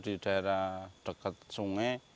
di daerah dekat sungai